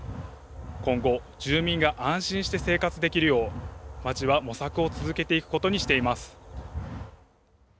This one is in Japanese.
今後、住民が安心して生活できるよう、町は模索を続けていくことにしています。